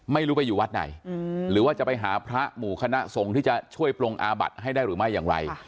ไม่รู้ไปอยู่วัดไหนหรือว่าจะไปหาพระหมู่คณะสงฆ์ที่จะช่วยปรงอาบัติให้ได้หรือไม่อย่างไร